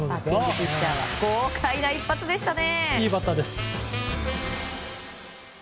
豪快な一発でしたね。